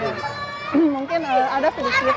mungkin ada sedikit